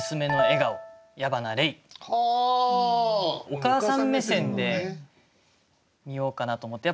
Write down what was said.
お母さん目線で見ようかなと思って。